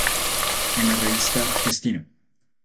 En la Revista Destino.